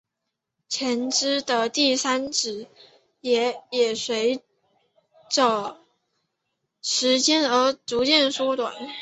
前肢的第三指也随者时间而逐渐缩小。